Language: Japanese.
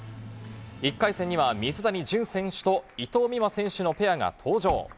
１回戦には水谷隼選手と伊藤美誠選手のペアが登場。